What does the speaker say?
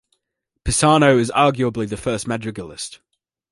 Pisano is arguably the first madrigalist.